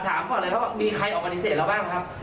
ถามก่อนเลยมีใครออกมาปฏิเสธแล้วบ้างครับ